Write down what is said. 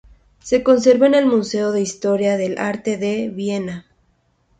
Se conserva en el Museo de Historia del Arte de Viena.